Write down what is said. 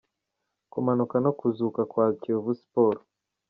Kumanuka no kuzuka kwa Kiyovu Siporo.